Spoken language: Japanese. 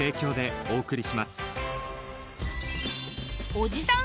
おじさん